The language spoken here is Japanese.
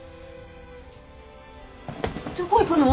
どこ行くの？